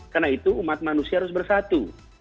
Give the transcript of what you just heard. karena itu umat manusia harus bersatu